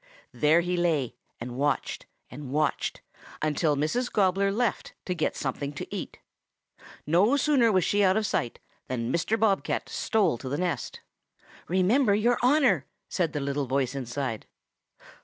There he lay and watched and watched until Mrs. Gobbler left to get something to eat. No sooner was she out of sight than Mr. Bob cat stole to the nest. "'Remember your honor,' warned the little voice inside.